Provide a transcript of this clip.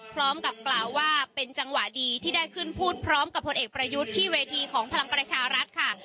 พร้อมกับกล่าวว่าเป็นจังหวะดีที่ได้ขึ้นพูดพร้อมกับผลเอกประยุทธ์ที่เวทีของพลังประชารัฐค่ะ